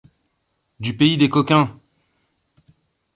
Du pays des coquins !